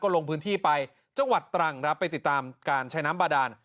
ลงพื้นที่ไปจังหวัดตรังครับไปติดตามการใช้น้ำบาดาน